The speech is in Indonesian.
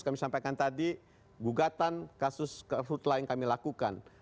kami sampaikan tadi gugatan kasus hutlah yang kami lakukan